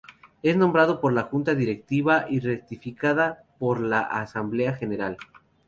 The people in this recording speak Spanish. Es nombrado por la Junta Directiva y ratificada por la Asamblea General.